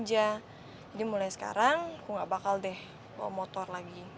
jadi mulai sekarang aku nggak bakal deh bawa motor lagi